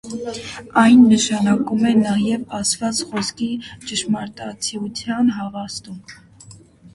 Այն նշանակում է նաև ասված խոսքի ճշմարտացիության հավաստում։